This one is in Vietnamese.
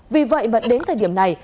vì vậy mà đến thời điểm này